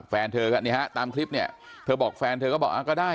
แฟนเธอก็นี่ฮะตามคลิปเนี่ยเธอบอกแฟนเธอก็บอกอ่าก็ได้